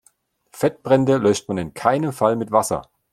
Fettbrände löscht man in keinem Fall mit Wasser.